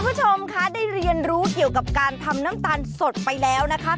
คุณผู้ชมคะได้เรียนรู้เกี่ยวกับการทำน้ำตาลสดไปแล้วนะคะ